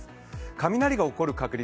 雷が起こる確率